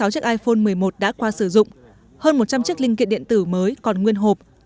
một trăm linh sáu chiếc iphone một mươi một đã qua sử dụng hơn một trăm linh chiếc linh kiện điện tử mới còn nguyên hộp